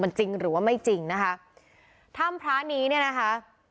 มันจริงหรือว่าไม่จริงนะคะถ้ำพระนี้เนี่ยนะคะ